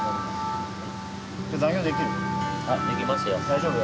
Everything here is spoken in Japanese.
大丈夫？